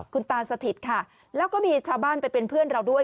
คุณตาสถิตค่ะแล้วก็มีชาวบ้านไปเป็นเพื่อนเราด้วย